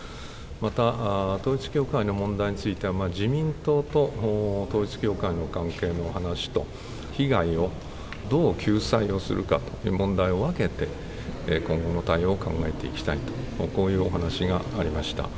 また、統一教会の問題については、自民党と統一教会の関係のお話と、被害をどう救済をするかという問題を分けて、今後の対応を考えていきたいと、こういうお話がありました。